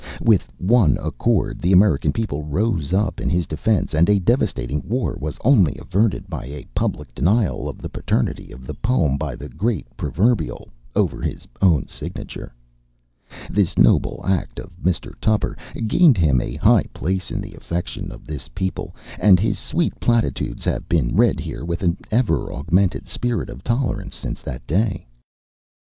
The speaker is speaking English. With one accord, the American people rose up in his defense, and a devastating war was only averted by a public denial of the paternity of the poem by the great Proverbial over his own signature. This noble act of Mr. Tupper gained him a high place in the affection of this people, and his sweet platitudes have been read here with an ever augmented spirit of tolerance since that day.